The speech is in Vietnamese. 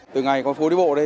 từ ngày con phố đi bộ đây